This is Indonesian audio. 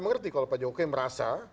mengerti kalau pak jokowi merasa